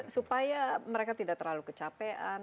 supaya mereka tidak terlalu kecapean